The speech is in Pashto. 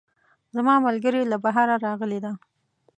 زما ملګرۍ له بهره راغلی ده